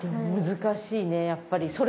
難しいねやっぱり。